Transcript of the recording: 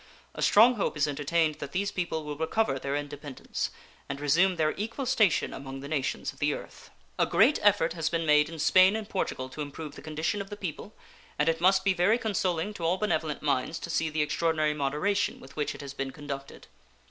A strong hope is entertained that these people will recover their independence and resume their equal station among the nations of the earth. A great effort has been made in Spain and Portugal to improve the condition of the people, and it must be very consoling to all benevolent minds to see the extraordinary moderation with which it has been conducted.